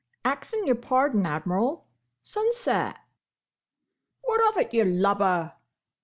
"Axing your pardon, Admiral—sunset." "What of it, you lubber?"